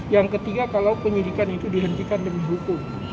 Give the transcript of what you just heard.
yang ketiga kalau penyidikan itu dihentikan demi hukum